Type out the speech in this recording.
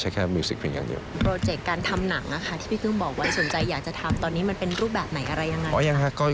ตอนนี้มันเป็นรูปแบบไหนอะไรอย่างไร